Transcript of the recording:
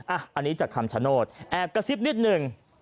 อันนี้จากคำชโนธแอบกระซิบนิดหนึ่ง